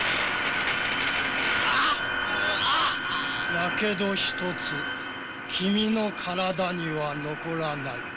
やけど一つ君の体には残らない。